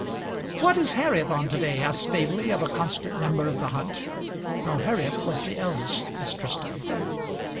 "What is Harriet on to day?" asked Staveley of a constant member of the hunt. Now Harriet was the eldest Miss Tristram.